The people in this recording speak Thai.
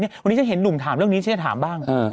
วันนี้ฉันเห็นหนุ่มถามเรื่องนี้ฉันจะถามบ้าง